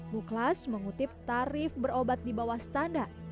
muklas mengutip tarif berobat di bawah standar